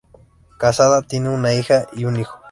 Casada, tiene una hija y un hijo.